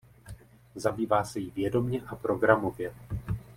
Zabývá se jí vědomě a programově.